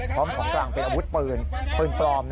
ไปเป็นอาวุธปลม